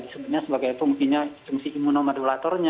sebenarnya sebagai fungsinya fungsi imunomodulatornya